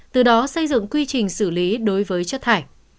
từ đó xây dựng quy trình xử lý đối với chất thải